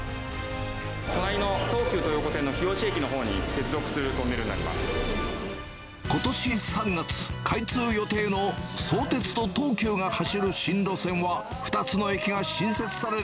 隣の東急東横線の日吉駅のほことし３月、開通予定の相鉄と東急が走る新路線は、２つの駅が新設される